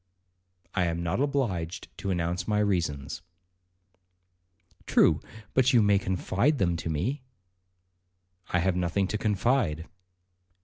'I am not obliged to announce my reasons.' 'True, but you may confide them to me.' 'I have nothing to confide.'